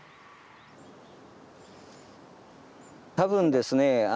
多分ですね